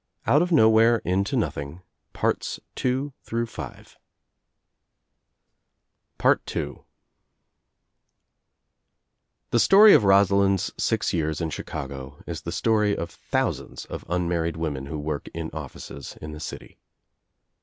OUT OF NOWHERE INTO NOTHING 201 II I The story of Rosalind's six years in Chicago is the story of thousands of unmarried women who work in Sees in the city.